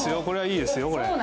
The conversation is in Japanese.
これはいいですよこれ。